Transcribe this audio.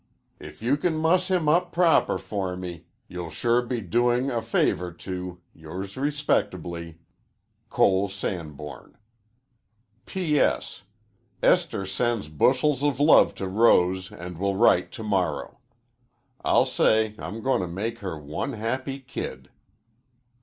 If you can muss him up proper for me youll sure be doing a favor to yours respectably COLE SANBORN P.S. Esther sends bushels of love to Rose and will write to morrow. I'll say Im going to make her one happy kid.